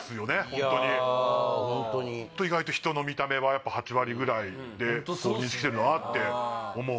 ホントにいやホントに意外と人の見た目はやっぱ８割ぐらいで認識してるなって思う